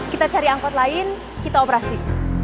kita cari angkot lain kita operasi